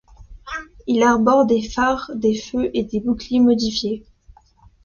Il arbore des phares, des feux et des boucliers modifiés.